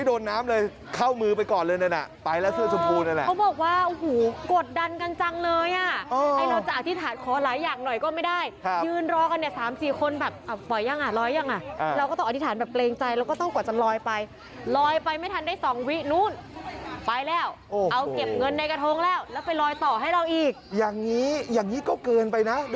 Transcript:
โอหอยู่ใกล้นะฮะยืนรองอยู่ตรงจุดที่จะลอยเลยอ่ะฮะรีมะ